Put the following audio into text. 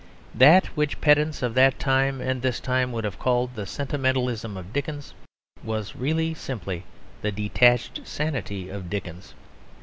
That which pedants of that time and this time would have called the sentimentalism of Dickens was really simply the detached sanity of Dickens.